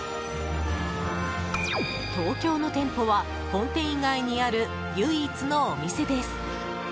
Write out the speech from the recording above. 東京の店舗は本店以外にある唯一のお店です。